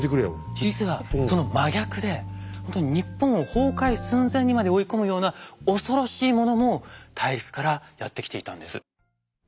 実はその真逆で日本を崩壊寸前にまで追い込むような恐ろしいものも大陸からやって来ていたんです。